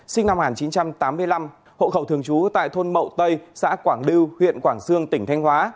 sinh năm một nghìn chín trăm tám mươi năm hộ khẩu thương chú tại thôn mậu tây xã quảng đưu huyện quảng sương tỉnh thanh hóa